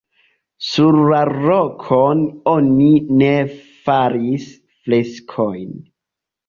Sur la rokon oni ne faris freskojn.